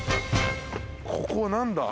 ここは何だ？